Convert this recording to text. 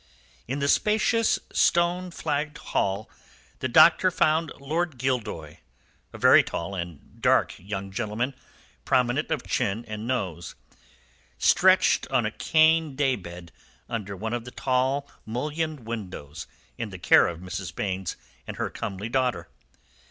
In the spacious, stone flagged hall, the doctor found Lord Gildoy a very tall and dark young gentleman, prominent of chin and nose stretched on a cane day bed under one of the tall mullioned windows, in the care of Mrs. Baynes and her comely daughter.